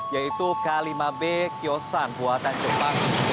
yaitu k lima b kiosan buatan jepang